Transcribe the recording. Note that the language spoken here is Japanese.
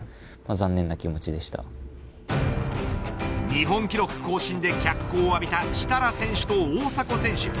日本記録更新で脚光を浴びた設楽選手と大迫選手。